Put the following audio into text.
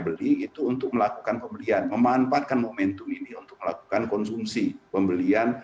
beli itu untuk melakukan pembelian memanfaatkan momentum ini untuk melakukan konsumsi pembelian